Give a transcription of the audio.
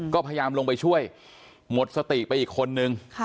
ก็พยายามลงไปช่วยหมดสติไปอีกคนนึง